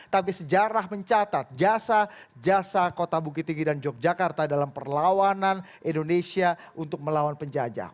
tapi sejarah mencatat jasa jasa kota bukit tinggi dan yogyakarta dalam perlawanan indonesia untuk melawan penjajah